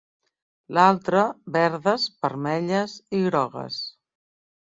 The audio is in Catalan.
L'altra, verdes, vermelles i grogues.